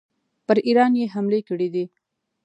پر ایران یې حملې کړي دي.